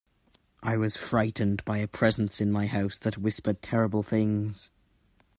I was frightened by a presence in my house that whispered terrible things.